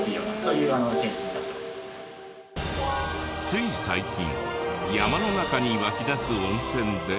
つい最近山の中に湧き出す温泉で。